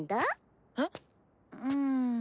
うん。